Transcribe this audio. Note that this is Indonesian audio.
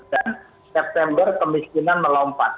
dan september kemiskinan melompat